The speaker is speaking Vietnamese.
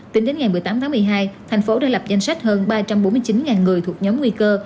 tính đến ngày một mươi tám tháng một mươi hai thành phố đã lập danh sách hơn ba trăm bốn mươi chín người thuộc nhóm nguy cơ